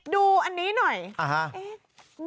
ดูอันนี้หน่อย